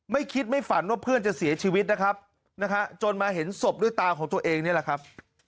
ไม่คิดไม่ฝันว่าเพื่อนจะเสียชีวิตนะครับนะฮะจนมาเห็นศพด้วยตาของตัวเองนี่แหละครับ